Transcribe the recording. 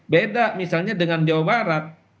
beda misalnya dengan jawa barat